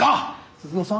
鈴乃さん？